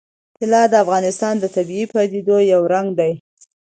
طلا د افغانستان د طبیعي پدیدو یو رنګ دی.